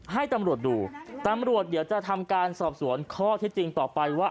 ให้ตำรวจดูตำรวจเดี๋ยวจะทำการสอบสวนข้อที่จริงต่อไปว่า